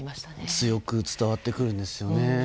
強く伝わってくるんですよね。